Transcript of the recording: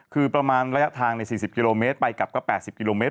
คือประมาณระยะทางใน๔๐กิโลเมตรไปกลับก็๘๐กิโลเมตร